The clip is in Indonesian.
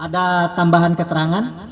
ada tambahan keterangan